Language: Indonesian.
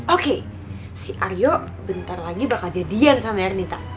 oke si aryo bentar lagi bakal jadian sama ernita